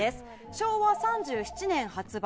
昭和３７年発売